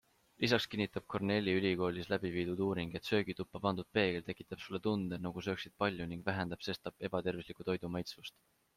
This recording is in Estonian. Lisaks kinnitab Cornelli ülikoolis läbi viidud uuring, et söögituppa pandud peegel tekitab sulle tunde, nagu sööksid palju ning vähendab sestap ebatervisliku toidu maitsvust.